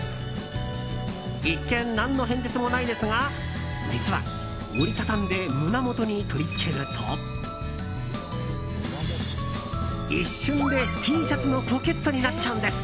一見、何の変哲もないですが実は、折り畳んで胸元に取り付けると一瞬でＴシャツのポケットになっちゃうんです。